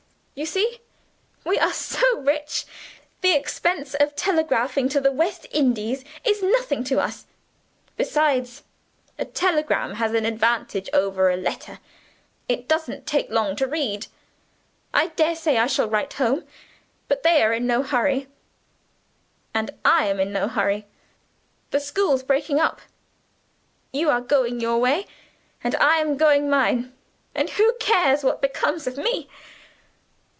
You see, we are so rich, the expense of telegraphing to the West Indies is nothing to us. Besides, a telegram has an advantage over a letter it doesn't take long to read. I daresay I shall write home. But they are in no hurry; and I am in no hurry. The school's breaking up; you are going your way, and I am going mine and who cares what becomes of me?